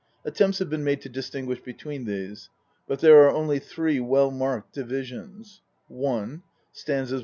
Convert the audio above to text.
Attempts have been made to distinguish between these, but there are only three well marked divisions : I (st.